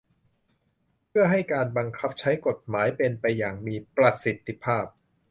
เพื่อให้การบังคับใช้กฎหมายเป็นไปอย่างมีประสิทธิภาพ